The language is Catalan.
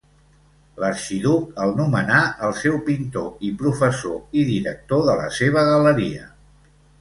L'arxiduc el nomenà el seu pintor i professor i director de la seva galeria.